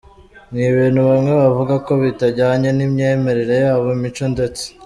Ni ibintu bamwe bavuga ko bitajyanye n’imyemerere yabo, imico ndetse.